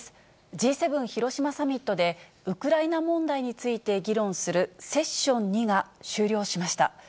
Ｇ７広島サミットで、ウクライナ問題について議論するセッション２が終了しました。